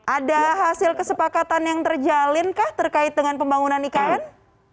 ada hasil kesepakatan yang terjalinkah terkait dengan pembangunan ikn